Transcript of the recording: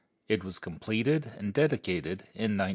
It was completed and dedicated in 1902.